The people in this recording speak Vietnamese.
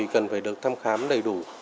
cần phải được thăm khám đầy đủ